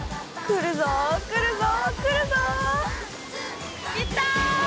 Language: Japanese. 来た！